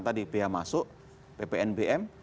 tadi biaya masuk ppnbm